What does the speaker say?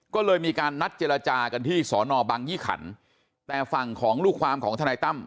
ก็เลยมีการนัดเจรจากันที่สอนอบังยี่ขันแต่ฝั่งของลูกความของทนายตั้ม